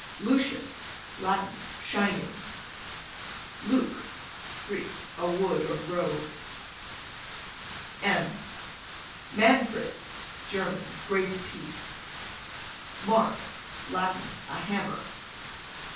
Lucius, Latin, shining. Luke, Creek, a wood or grove. M Manfred, German, great peace. Mark, Latin, a hammer.